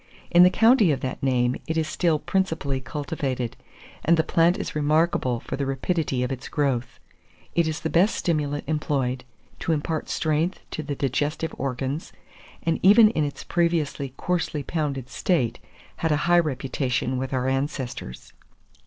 In the county of that name it is still principally cultivated, and the plant is remarkable for the rapidity of its growth. It is the best stimulant employed to impart strength to the digestive organs, and even in its previously coarsely pounded state, had a high reputation with our ancestors.